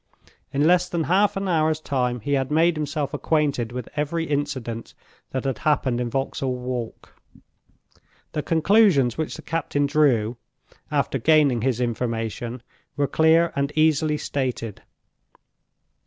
In less than half an hour's time he had made himself acquainted with every incident that had happened in Vauxhall Walk. The conclusions which the captain drew, after gaining his information, were clear and easily stated.